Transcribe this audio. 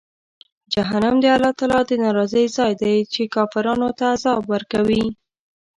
جهنم د الله تعالی د ناراضۍ ځای دی، چې کافرانو ته عذاب ورکوي.